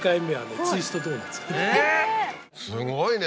すごいね。